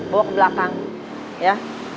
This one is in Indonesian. bawa ke belakang ya